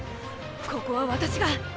ここは私が！